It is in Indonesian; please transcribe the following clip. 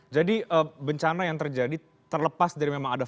jadi bencana yang terjadi terlepas dari memang ada faktornya